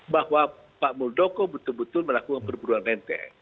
bahwa pak muldoko betul betul melakukan perburuan renteng